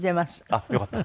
あっよかった。